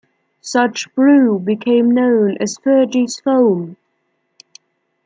Such brew became known as "Fergie's foam".